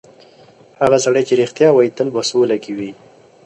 هغه سړی چې رښتیا وایي، تل په سوله کې وي.